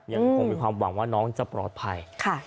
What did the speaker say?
ยังคงมีความหวังว่าน้องจะปลอดภัย